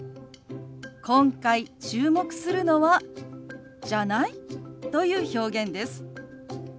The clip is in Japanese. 今回注目するのは「じゃない？」という表現です。